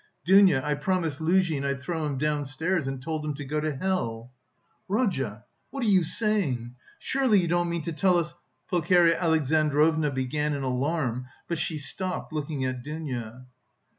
Dounia, I promised Luzhin I'd throw him downstairs and told him to go to hell...." "Rodya, what are you saying! Surely, you don't mean to tell us..." Pulcheria Alexandrovna began in alarm, but she stopped, looking at Dounia.